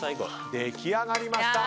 出来上がりました。